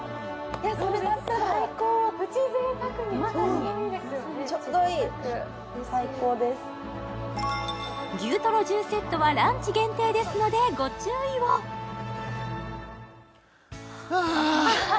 これだったら牛トロ重セットはランチ限定ですのでご注意をあ